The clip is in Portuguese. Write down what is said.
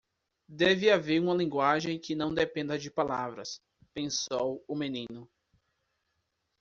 Deve haver uma linguagem que não dependa de palavras, pensou o menino.